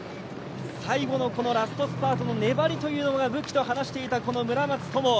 最後のラストスパートの粘りというのが武器と話していたこの村松灯。